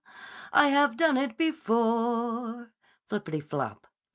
I have done it before. (Floppity flop!